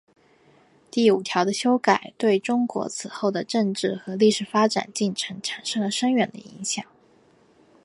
第五条的修改对中国此后的政治和历史发展进程产生了深远影响。